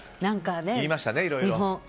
言いましたね、いろいろと。